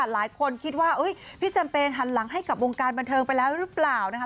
หลายคนคิดว่าพี่แจมเปญหันหลังให้กับวงการบันเทิงไปแล้วหรือเปล่านะคะ